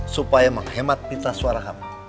supaya menghemat pita suara ham